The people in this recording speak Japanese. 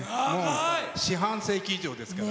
四半世紀以上ですから。